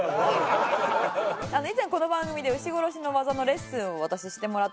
以前この番組で牛殺しの技のレッスンを私してもらったので。